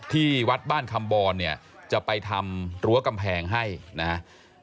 ที่วัดบ้านคำบรเนี่ยจะไปทำรั้วกำแพงให้นะครับ